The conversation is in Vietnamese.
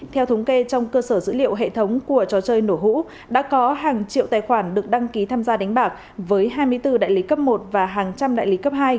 theo thống kê trong cơ sở dữ liệu hệ thống của trò chơi nổ hũ đã có hàng triệu tài khoản được đăng ký tham gia đánh bạc với hai mươi bốn đại lý cấp một và hàng trăm đại lý cấp hai